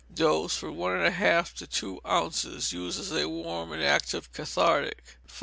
Dose, from one and a half to two ounces. Use as a warm and active cathartic. 559.